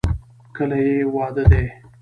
کله یې واده دی؟